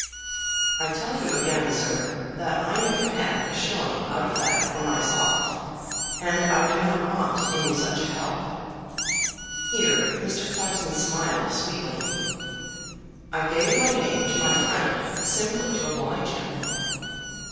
"I tell you again, sir, that I never had a shilling out of that for myself, and do not want any such help." Here Mr. Clarkson smiled sweetly. "I gave my name to my friend simply to oblige him."